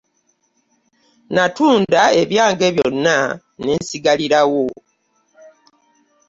Natunda ebyange byonna ne nsigalirawo.